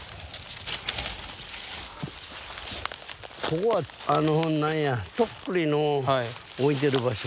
ここはあのなんやとっくりの置いてる場所。